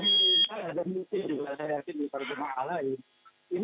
di perkembangan lain